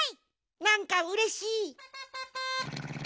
なんかうれしい。